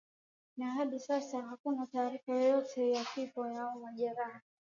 na hadi sasa hakuna taarifa yoyote ya vifo au majeraha